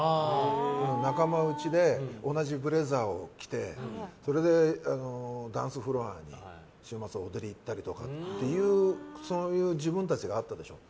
仲間内で同じブレザーを着てそれで、ダンスフロアに週末、踊りに行ったりとかそういう自分たちがあったでしょ。